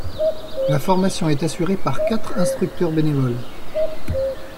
La formation est assurée par quatre instructeurs bénévoles.